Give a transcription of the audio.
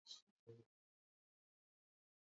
zamani wa Mexico Colombia na Nigeria walijumuika na watu